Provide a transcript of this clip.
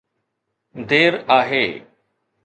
دير آهي.